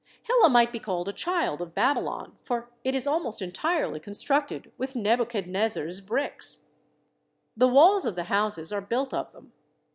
Hillah might be called a child of Babylon, for it is almost entirely constructed with Nebuchadnezzar's bricks. The walls of the houses are built of them.